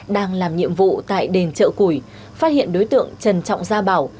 đang làm nhiệm vụ tại đền chợ củi phát hiện đối tượng trần trọng gia bảo